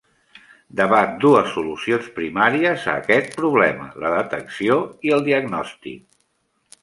Debat dues solucions primàries a aquest problema, la detecció i el diagnòstic.